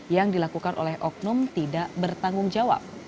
yang dilakukan oleh oknum tidak bertanggung jawab